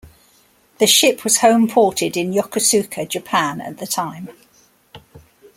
The ship was homeported in Yokosuka, Japan, at the time.